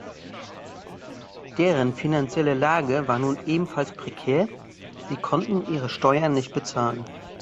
Deren finanzielle Lage war nun ebenfalls prekär, sie konnten ihre Steuern nicht bezahlen.